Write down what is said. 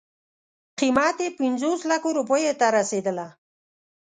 قیمت یې پنځوس لکو روپیو ته رسېدله.